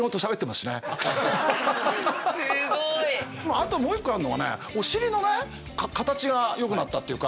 あともう一個あんのがねお尻のね形がよくなったっていうか。